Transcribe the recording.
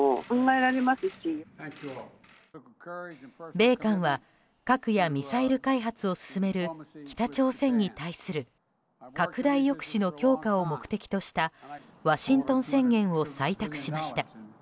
米韓は核やミサイル開発を進める北朝鮮に対する拡大抑止の強化を目的としたワシントン宣言を採択しました。